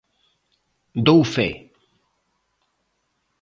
Dou fe.